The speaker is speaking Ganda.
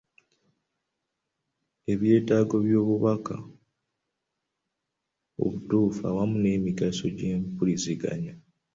Ebyetaago by’obubaka obutuufu wamu n’emigaso gy’empuliziganya.